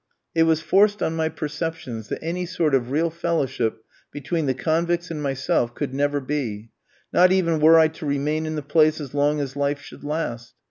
It was forced on my perceptions that any sort of real fellowship between the convicts and myself could never be; not even were I to remain in the place as long as life should last.